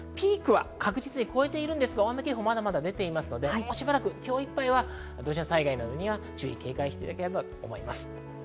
ピークは確実に超えてるんですが、大雨警報出てますので、もうしばらく今日いっぱいは土砂災害などには注意・警戒していただければと思います。